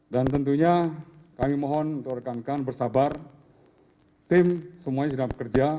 dan tentunya kami mohon untuk rekan rekan bersabar tim semuanya sudah bekerja